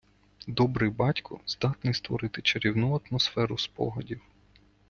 Добрий батько здатний створити чарівну атмосферу спогадів.